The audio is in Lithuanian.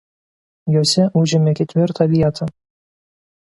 Jose užėmė ketvirtą vietą.